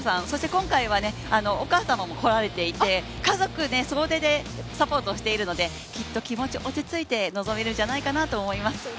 今回は、お母様も来られていて、家族総出でサポートしているのできっと気持ち、落ち着いて臨めるんじゃないかと思います。